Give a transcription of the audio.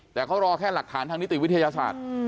แต่เขารอแค่หลักฐานทางนิติวิทยาศาสตร์